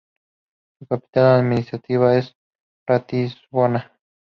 Su capital administrativa es Ratisbona.